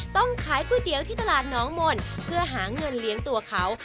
ต้องขายก๋วยเตี๋ยวที่ตลาดน้องมนต์เพื่อหาเงินเลี้ยงตัวเขา